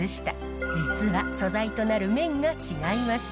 実は素材となる綿が違います。